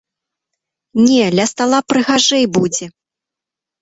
Не, ля стала прыгажэй будзе!